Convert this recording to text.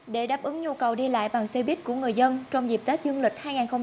để đáp ứng nhu cầu đi lại bằng xe buýt của người dân trong dịp tết dương lịch hai nghìn hai mươi bốn